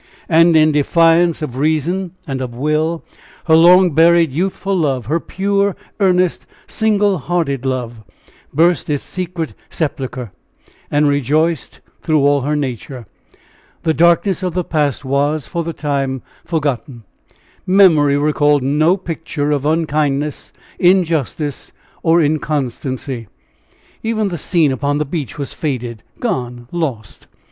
And in defiance of reason and of will, her long buried youthful love, her pure, earnest, single hearted love, burst its secret sepulchre, and rejoiced through all her nature. The darkness of the past was, for the time, forgotten. Memory recalled no picture of unkindness, injustice or inconstancy. Even the scene upon the beach was faded, gone, lost!